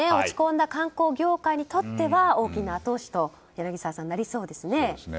落ち込んだ観光業界にとっては大きな後押しとなりそうですね。